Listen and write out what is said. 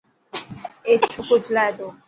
اي ٿڪ اوڇلائي تو.